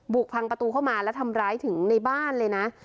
กพังประตูเข้ามาแล้วทำร้ายถึงในบ้านเลยนะ